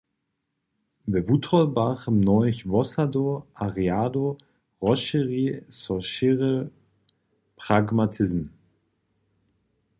We wutrobach mnohich wosadow a rjadow rozšěri so šěry pragmatizm.